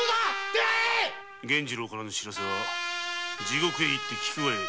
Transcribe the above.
弦二郎からの知らせは地獄に行って聞くがよい！